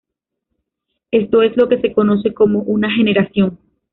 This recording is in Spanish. Esto es lo que se conoce como una generación.